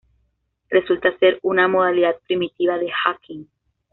Resulta ser una modalidad primitiva de "hacking".